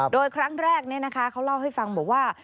โดยครั้งแรกเขาเล่าให้ฟังบอกว่า